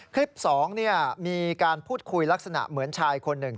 คลิป๒มีการพูดคุยลักษณะเหมือนชายคนหนึ่ง